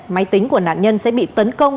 máy tính của nạn nhân sẽ bị tấn công